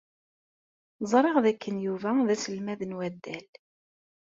Ẓriɣ dakken Yuba d aselmad n waddal.